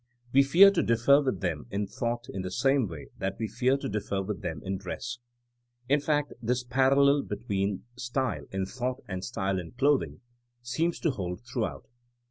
We fear to differ with them in thought in the same way that we fear to differ with them in dress. In fact this parallel be tween style in thought and style in clothing 116 TmNKma as a science seems to hold throughout.